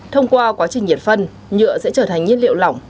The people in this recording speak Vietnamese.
thông qua quá trình nhiệt phân nhựa sẽ trở thành nhiên liệu lỏng